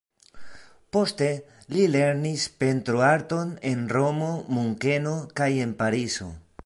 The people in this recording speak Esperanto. Poste li lernis pentroarton en Romo, Munkeno kaj en Parizo.